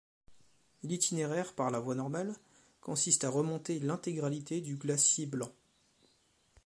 L'itinéraire, par la voie normale, consiste à remonter l'intégralité du glacier Blanc.